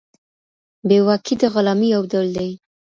بې واکي د غلامۍ يو ډول دی.